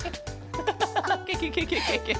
ハハハハケケケケケケケ。